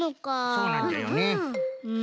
そうなんじゃよね。